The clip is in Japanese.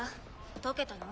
解けたの？